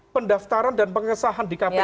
pendaftaran dan pengesahan di kpk